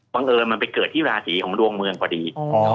เอิญมันไปเกิดที่ราศีของดวงเมืองพอดี